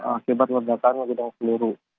akibat ledakan gudang seluruh